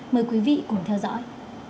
mời quý vị cùng theo dõi